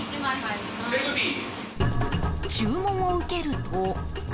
注文を受けると。